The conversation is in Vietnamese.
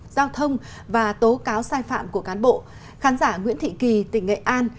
giao thông và tố cáo sai phạm của cán bộ khán giả nguyễn thị kỳ tỉnh nghệ an